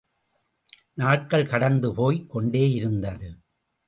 நாட்கள் கடந்து போய்க் கொண்டேயிருந்தது.